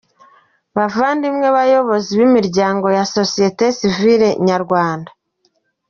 Bavandimwe bayobozi b’imiryango ya société civile nyarwanda,